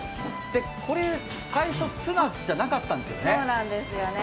これ最初ツナじゃなかったんですよね。